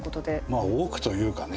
まあ多くというかね